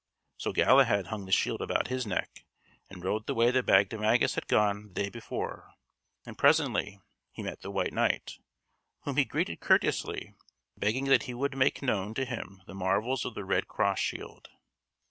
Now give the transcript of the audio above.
So Galahad hung the shield about his neck and rode the way that Bagdemagus had gone the day before; and presently he met the White Knight, whom he greeted courteously, begging that he would make known to him the marvels of the red cross shield.